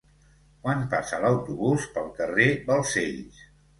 Quan passa l'autobús pel carrer Balcells?